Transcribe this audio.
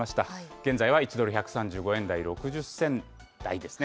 現在は１ドル１３５円台、６０銭台ですね。